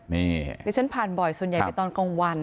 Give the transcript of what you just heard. นี่ดิฉันผ่านบ่อยส่วนใหญ่ไปตอนกลางวัน